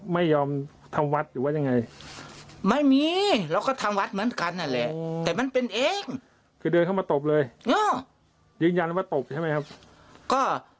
มันจะเหยียบพ่อเราอีก